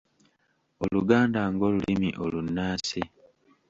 Oluganda ng'olulimi olunnansi.